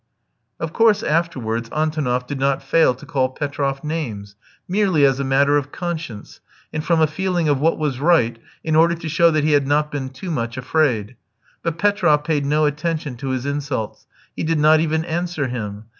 Of course afterwards, Antonoff did not fail to call Petroff names, merely as a matter of conscience, and from a feeling of what was right, in order to show that he had not been too much afraid; but Petroff paid no attention to his insults, he did not even answer him.